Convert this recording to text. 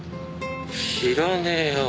知らねえよ